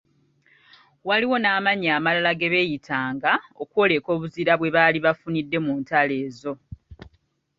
Waliwo n’amannya amalala ge beeyitanga okwoleka obuzira bwe baali bafunidde mu ntalo ezo.